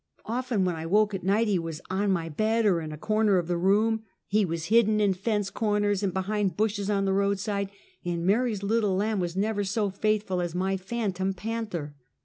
Often when I woke at night, he was on my bed or in a corner of the room. He was hidden in fence corners and behind bushes on the road side, and Mary's little lamb was never half so faithful as my phantom panther.